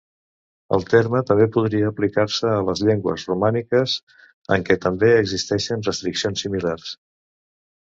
El terme també podria aplicar-se a les llengües romàniques en què també existeixen restriccions similars.